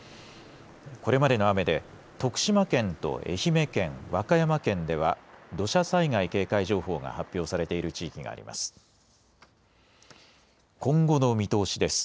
これまでの雨で徳島県と愛媛県、和歌山県では土砂災害警戒情報が発表されている地域があります。